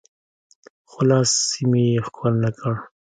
خو لاس مې يې ښکل نه کړ.